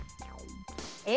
え？